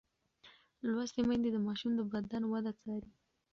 لوستې میندې د ماشوم د بدن وده څاري.